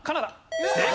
正解！